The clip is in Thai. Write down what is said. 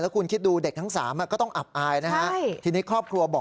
แล้วคุณคิดดูเด็กทั้ง๓ก็ต้องอับอายนะครับ